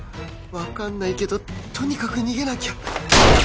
わかんないけどとにかく逃げなきゃ